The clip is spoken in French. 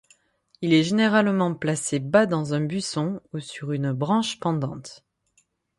Il est généralement placé bas dans un buisson ou sur une branche pendante.